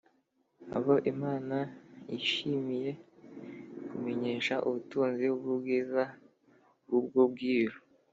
abo Imana yishimiye kumenyesha ubutunzi bw’ubwiza bw’ubwo bwiru